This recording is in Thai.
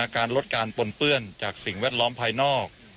การลดการปนเปื้อนจากสิ่งแวดล้อมภายนอก